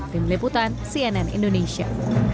tim liputan cnn indonesia